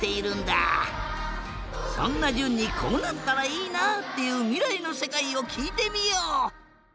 そんなじゅんにこうなったらいいなっていうみらいのせかいをきいてみよう。